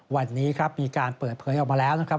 วันนี้ครับมีการเปิดเผยออกมาแล้วนะครับ